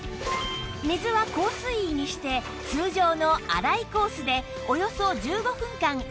水は高水位にして通常の「洗い」コースでおよそ１５分間運転します